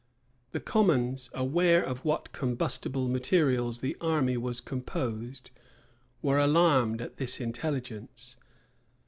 [*] The commons, aware of what combustible materials the army was composed, were alarmed at this intelligence.